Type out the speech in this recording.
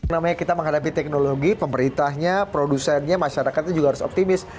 namanya kita menghadapi teknologi pemerintahnya produsennya masyarakatnya juga harus optimis